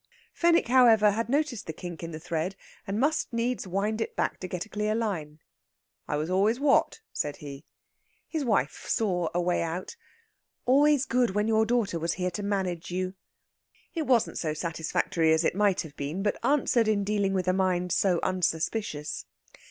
Fenwick, however, had noticed the kink in the thread, and must needs wind it back to get a clear line. "I was always what?" said he. His wife saw a way out. "Always good when your daughter was here to manage you." It wasn't so satisfactory as it might have been, but answered in dealing with a mind so unsuspicious.